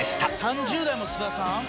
３０代も菅田さん？